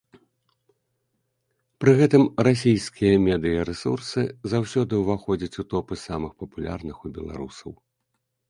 Пры гэтым расійскія медыярэсурсы заўсёды ўваходзяць у топы самых папулярных у беларусаў.